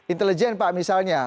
intelijen pak misalnya